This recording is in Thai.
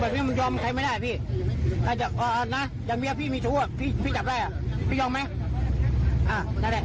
พี่มีตัวพี่จับได้พี่ยอมไหมอ่ะนั่นแหละ